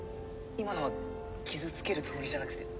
今のは傷つけるつもりじゃなくて。